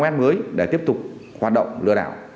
web mới để tiếp tục hoạt động lừa đảo